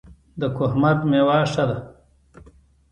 د کهمرد میوه ښه ده